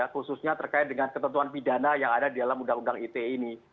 khususnya terkait dengan ketentuan pidana yang ada di dalam undang undang ite ini